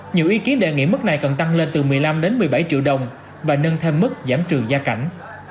nhiều ý kiến đề nghị mức này cần tăng lên từ một mươi năm một mươi bảy triệu đồng và nâng thêm mức giảm trừ gia cảnh